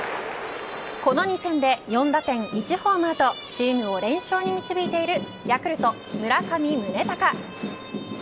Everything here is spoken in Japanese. この２戦で４打点１ホーマーとチームを連勝に導いているヤクルト村上宗隆。